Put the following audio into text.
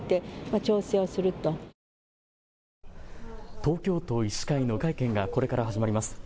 東京都医師会の会見がこれから始まります。